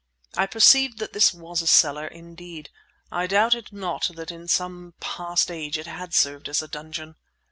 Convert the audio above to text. I perceived that this was a cellar; indeed, I doubt not that in some past age it had served as a dungeon.